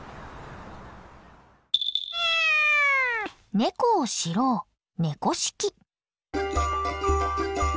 ネコを知ろう「猫識」。